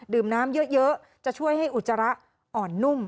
ดื่มน้ำเยอะจะช่วยให้อุจจาระอ่อนนุ่ม